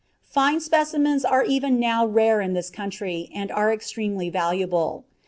Fine specimens are even now rare in this country, and are extremely valuable.